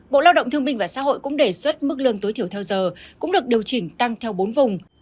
bộ lao động thương minh và xã hội cũng đề xuất mức lương tối thiểu theo giờ cũng được điều chỉnh tăng theo bốn vùng